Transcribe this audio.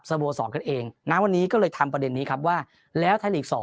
สบวน๒กันเองนะวันนี้ก็เลยทำประเด็นนี้ครับว่าแล้วทัฬก